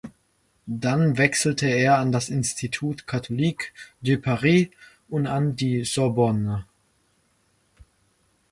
Dann wechselte er an das Institut catholique de Paris und an die Sorbonne.